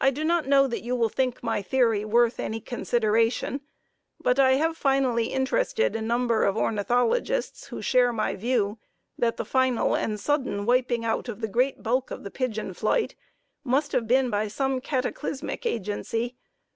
I do not know that you will think my theory worth any consideration, but I have finally interested a number of ornithologists who share my view that the final and sudden wiping out of the great bulk of the pigeon flight must have been by some cataclysmic agency.